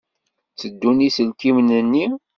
Tteddun yiselkimen-nni?